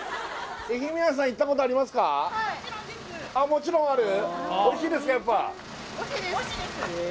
もちろんある？